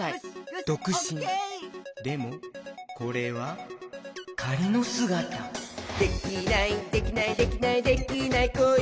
でもこれはかりのすがた「できないできないできないできない子いないか」